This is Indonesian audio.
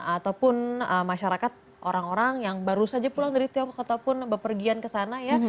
ataupun masyarakat orang orang yang baru saja pulang dari tiongkok ataupun berpergian ke sana ya